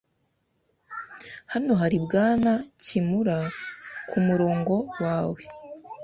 Hano hari Bwana Kimura kumurongo wawe